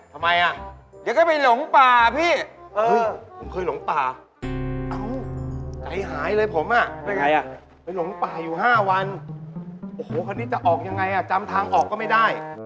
หาเรื่องนะทำไมยังไงอ่ะ